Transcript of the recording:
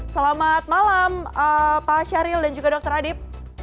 selamat malam pak syahril dan juga dr adib